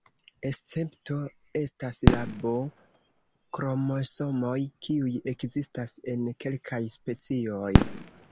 Escepto estas la B-kromosomoj, kiuj ekzistas en kelkaj specioj.